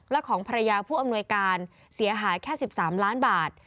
และของภรรยาผู้อำนวยการเสียหายแค่๑๓ล้านบาท